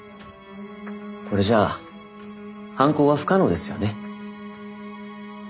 これじゃあ犯行は不可能ですよね。